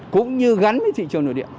cũng như gắn với thị trường nội địa